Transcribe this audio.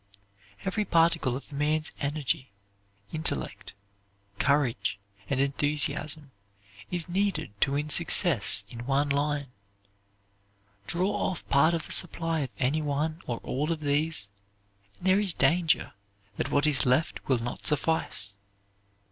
Every particle of a man's energy, intellect, courage, and enthusiasm is needed to win success in one line. Draw off part of the supply of any one or all of these, and there is danger that what is left will not suffice.